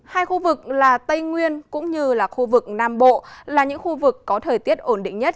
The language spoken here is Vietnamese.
hai khu vực là tây nguyên cũng như là khu vực nam bộ là những khu vực có thời tiết ổn định nhất